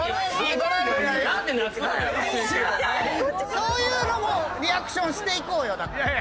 そういうのもリアクションしていこうよだから。